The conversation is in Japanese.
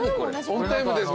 オンタイムです。